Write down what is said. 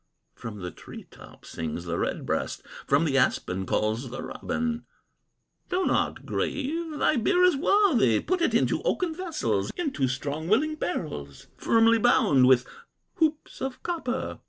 "From a tree top sings the redbreast, From the aspen calls the robin: 'Do not grieve, thy beer is worthy, Put it into oaken vessels, Into strong and willing barrels Firmly bound with hoops of copper.